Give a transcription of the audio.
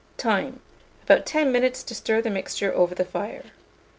Time. About 10 minutes to stir the mixture over the fire.